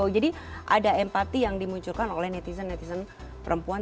jadi ada empati yang dimunculkan oleh netizen netizen perempuan